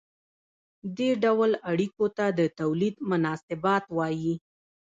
دې ډول اړیکو ته د تولید مناسبات وايي.